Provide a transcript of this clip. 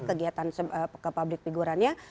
kegiatan ke pabrik figurannya